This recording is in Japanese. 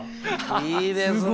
いいですね